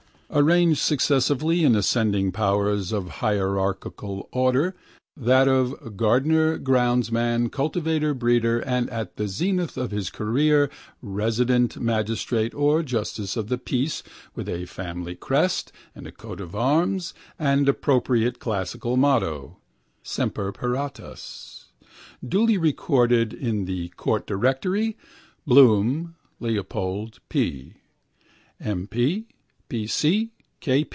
Arranged successively in ascending powers of hierarchical order, that of gardener, groundsman, cultivator, breeder, and at the zenith of his career, resident magistrate or justice of the peace with a family crest and coat of arms and appropriate classical motto (Semper paratus), duly recorded in the court directory (Bloom, Leopold P., M.